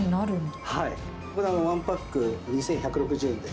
これは１パック２１６０円で。